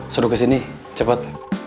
suruh kesini cepet